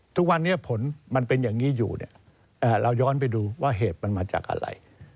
ทุกวันนี้ผลมันเป็นอย่างนี้อยู่เนี่ยเราย้อนไปดูว่าเหตุมันมาจากอะไร